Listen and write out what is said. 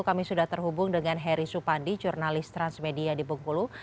kami sudah terhubung dengan heri supandi jurnalis transmedia di bengkulu